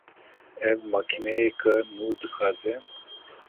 Ew makîneyeka nû dixwaze